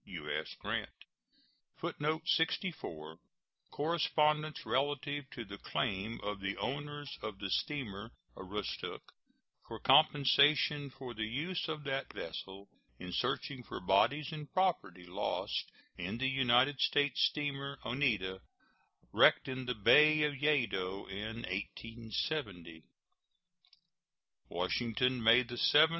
U.S. GRANT. [Footnote 64: Correspondence relative to the claim of the owners of the steamer Aroostook for compensation for the use of that vessel in searching for bodies and property lost in the United States steamer Oneida, wrecked in the Bay of Yedo in 1870.] WASHINGTON, May 7, 1872.